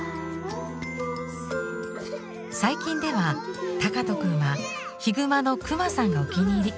最近では敬斗くんは「ヒグマのクマさん」がお気に入り。